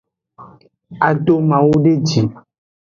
A do mawu de ji.